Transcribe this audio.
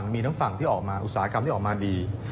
และเฉยเป็นฝั่งที่ออกมาอุตสาหกรรมดี